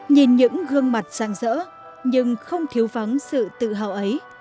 nhìn những gương mặt răng rỡ nhưng không thiếu vắng sự tự hào ấy